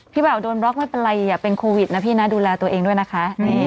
เบาโดนบล็อกไม่เป็นไรอย่าเป็นโควิดนะพี่นะดูแลตัวเองด้วยนะคะ